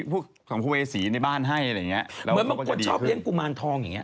เหมือนมันชอบเลี้ยงกุมาลทอง